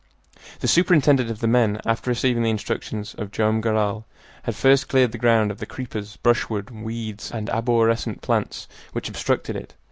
The superintendent of the men, after receiving the instructions of Joam Garral, had first cleared the ground of the creepers, brushwood, weeds, and arborescent plants which obstructed it.